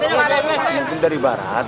mungkin dari barat